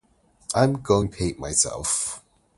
I'm going to hate myself.